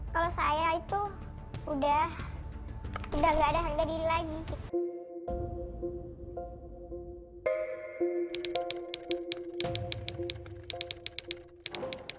kalau saya itu udah nggak ada yang jadi lagi